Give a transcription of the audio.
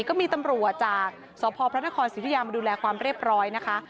ก็มีตำรวจจากสพพระนครสิทธิยามาดูแลความเรียบร้อยนะคะ